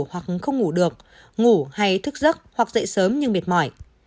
hoặc không ngủ được ngủ hay thức giấc hoặc dậy sớm nhưng mệt mỏi